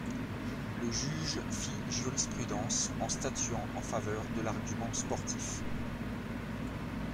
Le juge fit jurisprudence en statuant en faveur de l’argument sportif.